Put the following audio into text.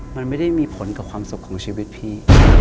มันไม่ได้มีผลกับความสุขของชีวิตพี่